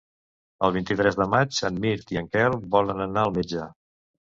El vint-i-tres de maig en Mirt i en Quel volen anar al metge.